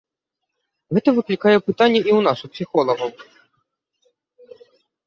Гэта выклікае пытанне і ў нас, у псіхолагаў.